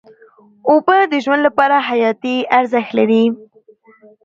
اوبه د ژوند لپاره حیاتي ارزښت لري.